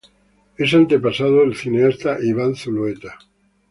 Es antepasado del cineasta Iván Zulueta.